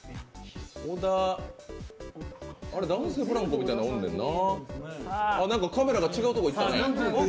男性ブランコみたいなのおんねんな。